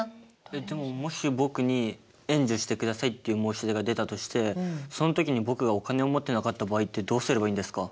でももし僕に「援助してください」っていう申し出が出たとしてその時に僕がお金を持ってなかった場合ってどうすればいいんですか？